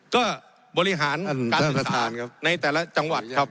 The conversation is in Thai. ก็บริหารการสื่อสารครับในแต่ละจังหวัดครับ